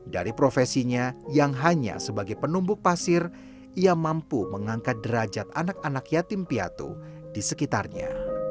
dari profesinya yang hanya sebagai penumbuk pasir ia mampu mengangkat derajat anak anak yatim piatu di sekitarnya